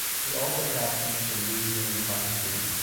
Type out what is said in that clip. He also captained the New Zealand hockey team.